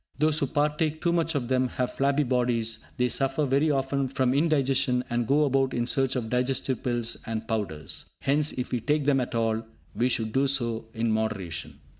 Those who partake too much of them have flabby bodies; they suffer very often from indigestion, and go about in search of digestive pills and powders. Hence, if we take them at all, we should do so in moderation.